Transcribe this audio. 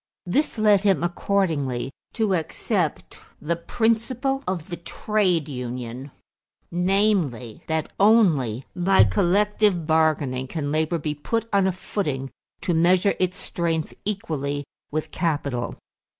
This led him, accordingly, to accept the principle of the trade union; namely, that only by collective bargaining can labor be put on a footing to measure its strength equally with capital.